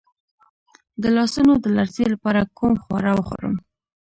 د لاسونو د لرزې لپاره کوم خواړه وخورم؟